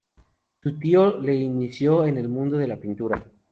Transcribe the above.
Su tío le inició en el mundo de la pintura.